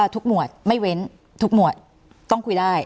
ทุกหมวดไม่เว้นที่ต้องคุยได้